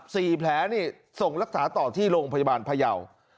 สี่แผลนี่ส่งรักษาต่อที่โรงพยาบาลพยาว